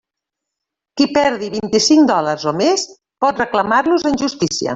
Qui perdi vint-i-cinc dòlars o més, pot reclamar-los en justícia.